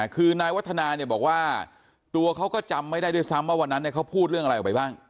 คือนายวัฒนาเนี่ยบอกว่าตัวเขาก็จำไม่ได้ด้วยซ้ำว่าวันนั้นเขาพูดเรื่องอะไรออกไปบ้าง